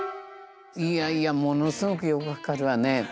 いやいやものすごくよく分かるわね。